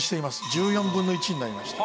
１４分の１になりました。